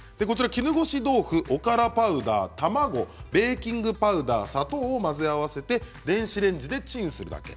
絹ごし豆腐、おからパウダー卵、ベーキングパウダー砂糖を混ぜ合わせて電子レンジでチンするだけ。